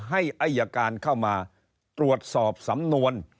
อายการเข้ามาตรวจสอบสำนวน